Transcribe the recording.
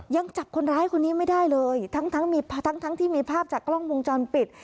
ยังจับคนร้ายคนนี้ไม่ได้เลยทั้งทั้งมีทั้งที่มีภาพจากกล้องวงจรปิด